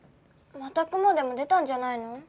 またクモでも出たんじゃないの？